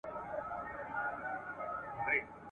په کور کي دي جواري نسته له دماغه دي د پلو بوی ځي !.